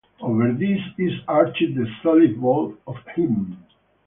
Over this is arched the solid vault of heaven.